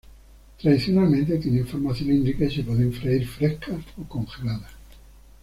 Tradicionalmente tienen forma cilíndrica y se pueden freír frescas o congeladas.